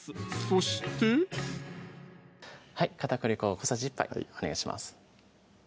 そして片栗粉を小さじ１杯お願いします